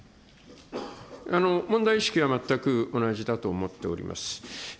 問題意識は全く同じだと思っております。